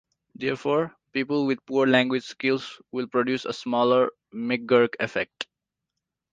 Therefore, people with poor language skills will produce a smaller McGurk effect.